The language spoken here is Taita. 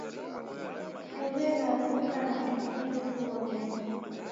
Ndow'eghaluka na ndekunde kughorelwa